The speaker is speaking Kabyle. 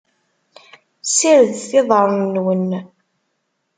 Ssiredet iḍarren-nwen.